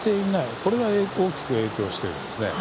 これが大きく影響しているんです。